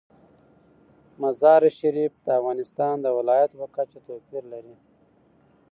مزارشریف د افغانستان د ولایاتو په کچه توپیر لري.